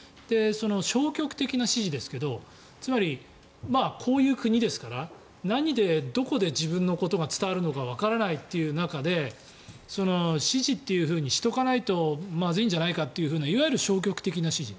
消極的な支持ですがつまり、こういう国ですから何で、どこで自分のことが伝わるのかわからないという中で支持というふうにしておかないとまずいんじゃないかといういわゆる消極的な支持。